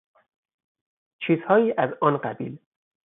چیزهایی از آن قبیل